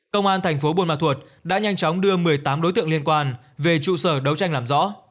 công an thành phố buôn ma thuột đã nhanh chóng đưa một mươi tám đối tượng liên quan về trụ sở đấu tranh làm rõ